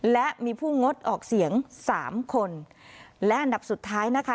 และมีผู้งดออกเสียงสามคนและอันดับสุดท้ายนะคะ